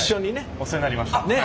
お世話になりました。